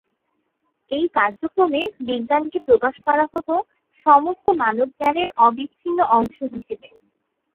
এই কার্যক্রমে বিজ্ঞানকে প্রকাশ করা হতো সমস্ত মানব জ্ঞানের অবিচ্ছিন্ন অংশ হিসেবে।